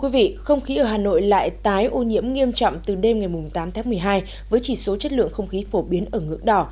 với lại tái ô nhiễm nghiêm trọng từ đêm ngày tám một mươi hai với chỉ số chất lượng không khí phổ biến ở ngưỡng đỏ